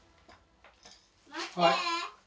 待って。